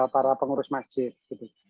para pengurus masjid